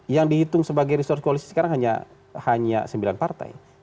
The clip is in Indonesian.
yang dihitung sebagai resource koalisi sekarang hanya sembilan partai